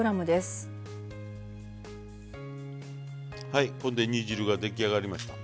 はいこれで煮汁が出来上がりました。